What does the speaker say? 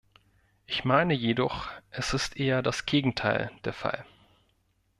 Ich meine jedoch, es ist eher das Gegenteil der Fall.